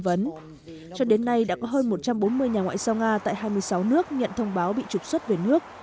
vấn cho đến nay đã có hơn một trăm bốn mươi nhà ngoại giao nga tại hai mươi sáu nước nhận thông báo bị trục xuất về nước